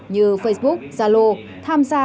như facebook zalo tham sa